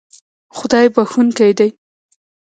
خدای بښونکی دی